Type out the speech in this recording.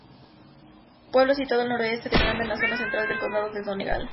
Pueblo situado al noroeste de Irlanda en la zona central del Condado de Donegal.